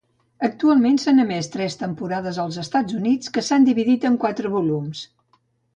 Actualment s'han emès tres temporades als Estats Units que s'han dividit en quatre volums.